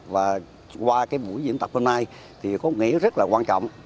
và qua cái buổi diễn tập hôm nay thì có nghĩa rất là quan trọng